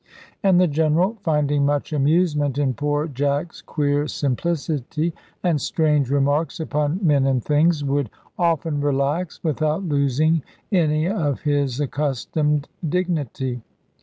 And the General, finding much amusement in poor Jack's queer simplicity, and strange remarks upon men and things, would often relax without losing any of his accustomed dignity.